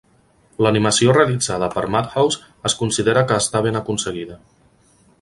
L'animació realitzada per Madhouse es considera que està ben aconseguida.